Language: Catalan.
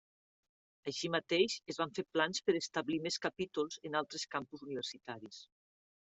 Així mateix es van fer plans per establir més capítols en altres campus universitaris.